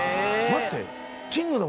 待って。